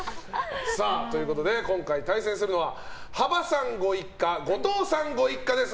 今回対戦するのは幅さんご一家後藤さんご一家です。